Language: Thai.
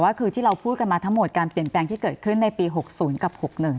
ก็คือที่เราพูดกันมาทั้งหมดการเปลี่ยนแปลงที่เกิดขึ้นในปี๖๐กับ๖๑